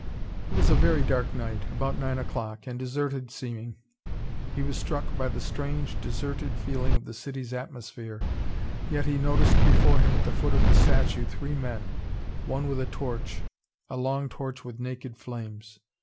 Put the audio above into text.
It was a very dark night, about nine o'clock, and deserted seeming. He was struck by the strange, deserted feeling of the city's atmosphere. Yet he noticed before him, at the foot of the statue, three men, one with a torch: a long torch with naked flames.